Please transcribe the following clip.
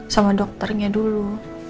sama dokternya dulu